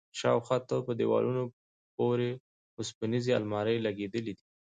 شاوخوا ته په دېوالونو پورې وسپنيزې المارۍ لگېدلي دي.